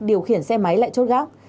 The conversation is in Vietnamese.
điều khiển xe máy lại chốt gác